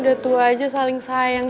udah tua aja saling sayang